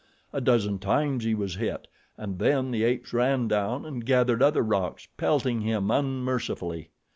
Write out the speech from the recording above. A dozen times he was hit, and then the apes ran down and gathered other rocks, pelting him unmercifully.